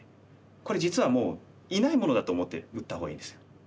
これ実はもういないものだと思って打ったほうがいいです。